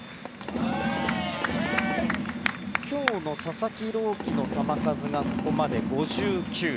今日の佐々木朗希の球数がここまで５９球。